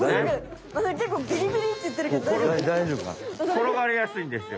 転がりやすいんですよ。